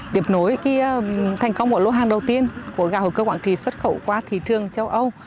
tiếp nối thành công của lô hàng đầu tiên của gạo hữu cơ quảng trì xuất khẩu qua thị trường châu âu